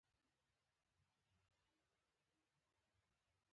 لکه دای چې و.